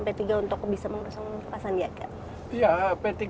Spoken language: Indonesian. p tiga untuk bisa mengusung pak sandiaga